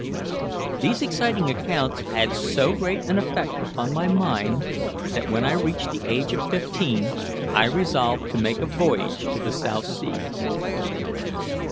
These exciting accounts had so great an effect upon my mind that, when I reached the age of fifteen, I resolved to make a voyage to the South Seas.